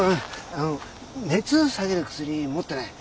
あの熱下げる薬持ってない？